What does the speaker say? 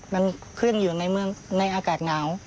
มันเครื่องอยู่ในเมืองในอากาศหนาว